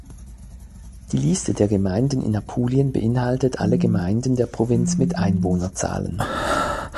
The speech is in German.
Die Liste der Gemeinden in Apulien beinhaltet alle Gemeinden der Provinz mit Einwohnerzahlen.